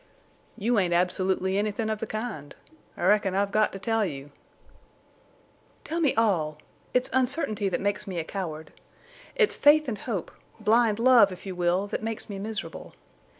"You ain't absolutely anythin' of the kind.... I reckon I've got to tell you!" "Tell me all. It's uncertainty that makes me a coward. It's faith and hope—blind love, if you will, that makes me miserable.